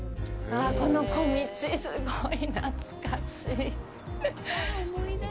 この小道、すごい懐かしい。